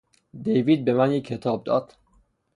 دیوید به من یک کتاب داد.